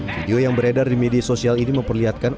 video yang beredar di media sosial ini memperlihatkan